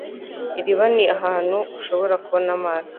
Iriba ni ahantu ushobora kubona amazi.